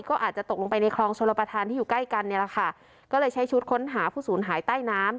ก็อาจจะตกลงไปในคลองชลประธานที่อยู่ใกล้กันเนี่ยแหละค่ะก็เลยใช้ชุดค้นหาผู้สูญหายใต้น้ำ